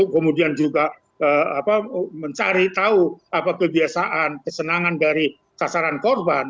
kemudian juga mencari tahu apa kebiasaan kesenangan dari sasaran korban